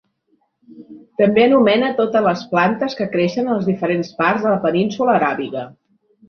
També anomena totes les plantes que creixen en les diferents parts de la Península aràbiga.